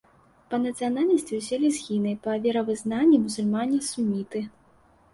Па нацыянальнасці ўсе лезгіны, па веравызнанні мусульмане-суніты.